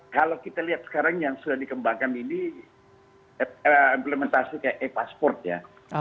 kalau kita lihat sekarang yang sudah dikembangkan ini implementasi kayak e pasport ya